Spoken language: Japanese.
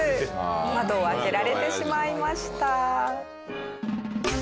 窓を開けられてしまいました。